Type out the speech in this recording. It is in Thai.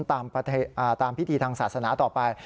ตามพิธีทางศาสนาต่อไป